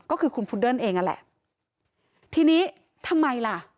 ก็คือคุณพุนเดิ้ลเองนั่นแหละทีนี้ทำไมล่ะ